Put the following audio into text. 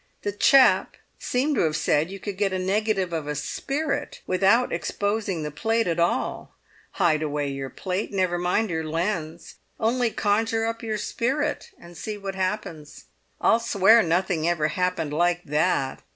The chap seemed to have said you could get a negative of a spirit without exposing the plate at all; hide away your plate, never mind your lens, only conjure up your spirit and see what happens. I'll swear nothing ever happened like that!